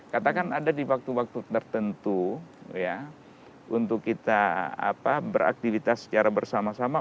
katakan ada di waktu waktu tertentu untuk kita beraktivitas secara bersama sama